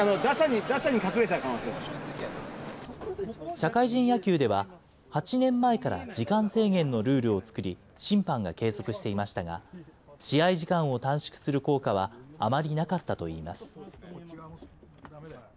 社会人野球では、８年前から時間制限のルールを作り、審判が計測していましたが、試合時間を短縮する効果はあまりなかったといいます。